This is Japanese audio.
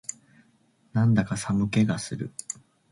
なんだか寒気がする